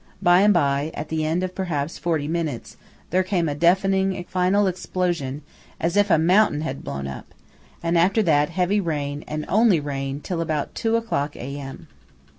By and by–at the end of perhaps forty minutes–there came a deafening final explosion, as if a mountain had blown up; and after that, heavy rain, and only rain, till about two o'clock A.M.